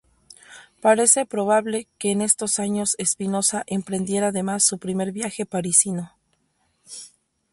Parece probable que en estos años Espinosa emprendiera además su primer viaje parisino.